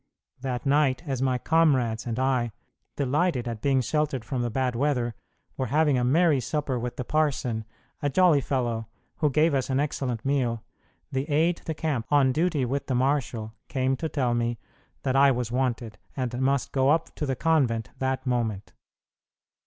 That night, as my comrades and I, delighted at being sheltered from the bad weather, were having a merry supper with the parson, a jolly fellow, who gave us an excellent meal, the aide de camp on duty with the marshal came to tell me that I was wanted, and must go up to the convent that moment.